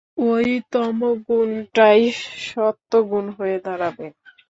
ঐ তমোগুণটাই সত্ত্বগুণ হয়ে দাঁড়াবে।